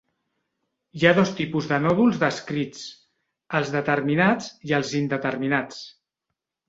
Hi ha dos tipus de nòduls descrits: els determinats i els indeterminats.